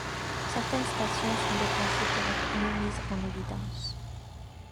Certaines stations sont déplacées pour être mieux mises en évidence.